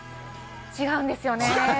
違うんですよね。